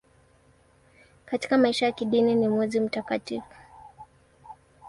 Katika maisha ya kidini ni mwezi mtakatifu.